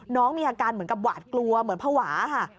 น้องมีอาการเหมือนกับหวาดกลัวเหมือนภาวะค่ะ